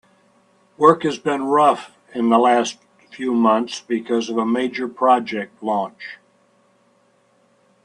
Work has been rough in the last few months because of a major project launch.